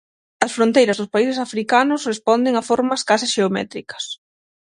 As fronteiras dos países africanos responden a formas case xeométricas.